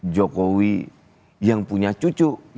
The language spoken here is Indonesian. jokowi yang punya cucu